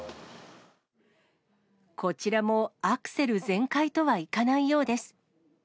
こちらもアクセル全開とはいかないようです。